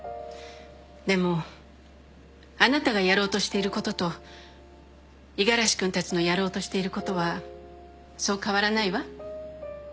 でもあなたがやろうとしていることと五十嵐君たちのやろうとしていることはそう変わらないわ。